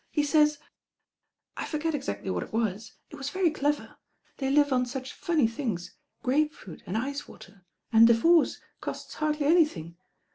He says, I forget exactly what it was. It was very clever. They live on such funny things, grape fruit and ice water, and divorce costs hardly anything.